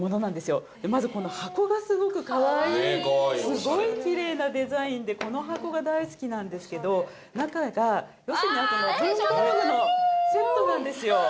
すごいきれいなデザインでこの箱が大好きなんですけど中が要するになんかもう文房具のセットなんですよ。